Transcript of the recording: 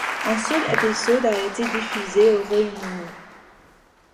Un seul épisode a été diffusé au Royaume-Uni.